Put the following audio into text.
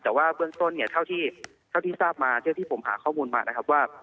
แต่ว่าเบื้องต้นเนี่ยเท่าที่ทราบมาเท่าที่ผมหาข้อมูลมานะครับว่า